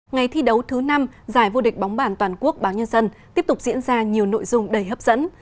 ngày thi đấu thứ năm giải vô địch bóng bàn toàn quốc báo nhân dân tiếp tục diễn ra nhiều nội dung đầy hấp dẫn